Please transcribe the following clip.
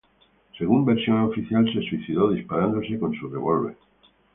Según versión oficial se suicidó disparándose con su revólver.